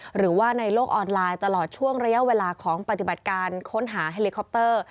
หรือว่าในโลกออนไลน์ตลอดช่วงระยะเวลาของปฏิบัติการค้นหาเฮลิคอปเตอร์